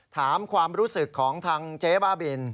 ถามความรู้สึกของทางเจ๊บ้าบิน